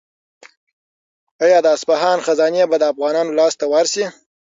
آیا د اصفهان خزانه به د افغانانو لاس ته ورشي؟